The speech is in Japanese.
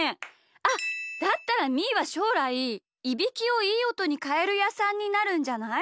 あっだったらみーはしょうらいいびきをいいおとにかえるやさんになるんじゃない？